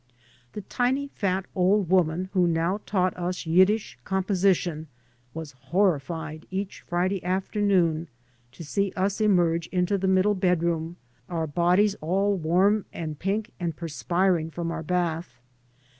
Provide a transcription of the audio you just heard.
The tiny fat old woman who now taught us Yiddish com position was horrified each Friday afternoon to see us emerge into the middle bedroom, our bodies all warm and pink, and perspiring from our bath.